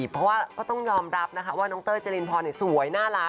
เพราะว่าก็ต้องยอมรับนะคะว่าน้องเต้ยเจรินพรสวยน่ารัก